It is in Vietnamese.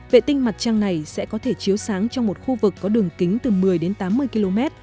vệ tinh mặt trăng này sẽ có thể chiếu sáng trong một khu vực có đường kính từ một mươi đến tám mươi km